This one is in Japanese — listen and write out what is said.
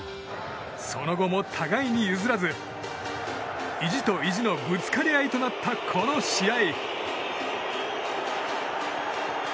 その後も互いに譲らず意地と意地のぶつかり合いとなったこの試合。